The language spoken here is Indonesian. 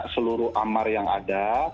seluruh amar yang ada